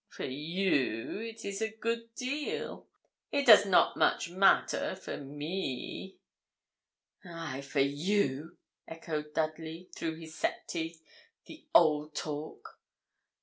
For you it is a good deal it does not much matter for me.' 'Ay, for you!' echoed Dudley, through his set teeth. 'The old talk!'